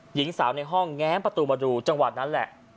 หญิงสาวในห้องแง้มประตูมาดูจังหวะนั้นแหละ